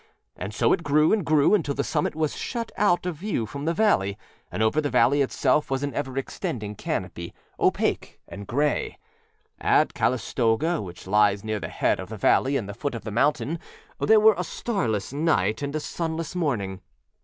And so it grew and grew until the summit was shut out of view from the valley, and over the valley itself was an ever extending canopy, opaque and gray. At Calistoga, which lies near the head of the valley and the foot of the mountain, there were a starless night and a sunless morning.